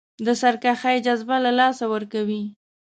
د سرکښۍ جذبه له لاسه ورکوي.